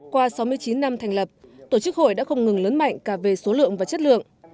qua sáu mươi chín năm thành lập tổ chức hội đã không ngừng lớn mạnh cả về số lượng và chất lượng